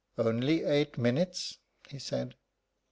"Only eight minutes," he said.